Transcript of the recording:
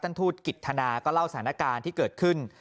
ทูตกิจธนาก็เล่าสถานการณ์ที่เกิดขึ้น